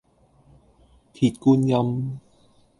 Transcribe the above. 鐵觀音